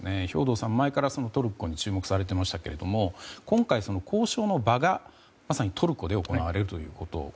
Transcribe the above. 兵頭さん、前からトルコに注目されていましたが今回、交渉の場がトルコで行われるということ。